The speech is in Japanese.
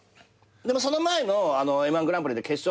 でもその前のＭ−１グランプリで決勝